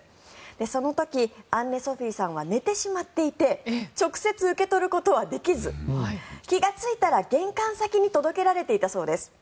その時、アンネ・ソフィーさんは寝てしまっていて直接受け取ることはできず気がついたら玄関先に届けられていたそうです。